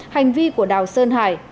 hành vi của đảo sơn hải đã đủ yếu tố